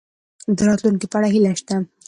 د راتلونکي په اړه هیله شته؟